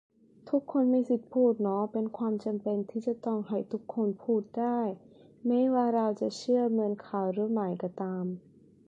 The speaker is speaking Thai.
ทุกคนมีสิทธิพูดเน้อ เป็นความจำเป็นที่จะต้องให้ทุกคนพูดได้ ไม่ว่าเราจะเชื่อเหมือนเขาหรือไม่ก็ตาม